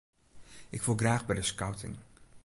Ik wol graach by de skouting.